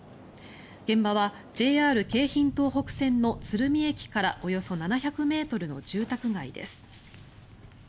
現場はＪＲ京浜東北線の鶴見駅からおよそ７００ｍの住宅街です。